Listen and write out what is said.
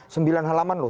sembilan halaman loh